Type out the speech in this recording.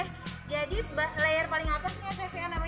nah jadi nih jadi layer paling atasnya chef ian namanya mousse cake